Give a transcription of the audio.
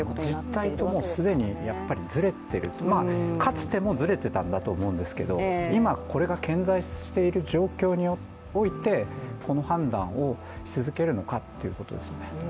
実態と既にずれてるかつてもずれてたんだと思うんですけど今これが顕在している状況においてこの判断を続けるのかってことですよね。